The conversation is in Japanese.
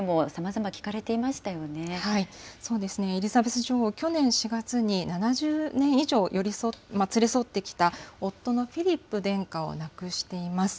そうですね、エリザベス女王、去年４月に７０年以上連れ添ってきた夫のフィリップ殿下を亡くしています。